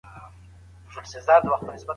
کیله د انسان د وجود د بندونو دردونه یو څه کموي.